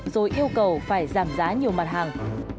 rồi yêu cầu phải giảm giá nhiều mặt hàng